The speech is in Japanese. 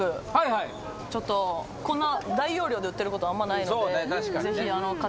ちょっとこんな大容量で売ってることあんまないのでぜひあの。